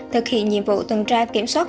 thực hiện nhiệm vụ tuần tra kiểm soát